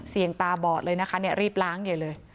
เสียงตาบอดเลยนะคะรีบล้างเยอะเลย